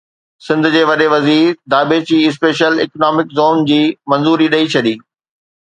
سنڌ جي وڏي وزير ڌاٻيجي اسپيشل اڪنامڪ زون جي منظوري ڏئي ڇڏي